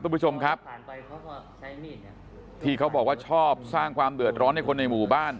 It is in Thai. คุณผู้ชมครับที่เขาบอกว่าชอบสร้างความเดือดร้อนให้คนในหมู่บ้าน